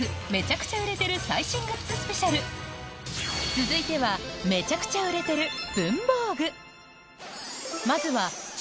続いてはめちゃくちゃ売れてる文房具